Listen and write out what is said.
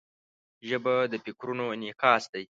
ژبه د فکرونو انعکاس دی